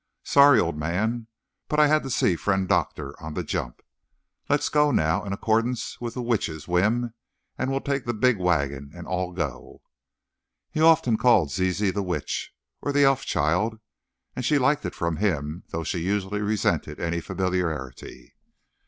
Sorry, old man, but I had to see Friend Doctor, on the jump. Let's go now, in accordance with the Witch's whim, and we'll take the big wagon, and all go." He often called Zizi the Witch, or the Elf child, and she liked it from him, though she usually resented any familiarity.